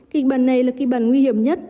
kịch bản này là kịch bản nguy hiểm nhất